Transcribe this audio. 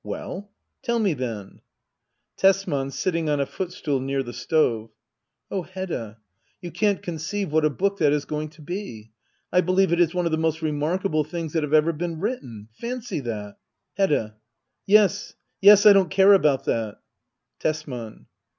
'\ Well ? Tell me, then Tesman. [Sittif^ on a footstool near the stoveJ] Oh Hedda, you can't conceive what a book that is going to be ! I believe it is one of the most remarkable things that have ever been written. Fancy that ! Hedda. Yes yes ; I don't care about that Tesman.